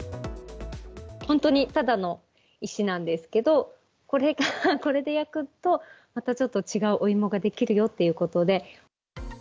本当にただの石なんですけど、これで焼くと、またちょっと違うお芋ができるよということで。